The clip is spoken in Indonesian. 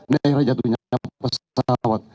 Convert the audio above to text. daerah jatuhnya pesawat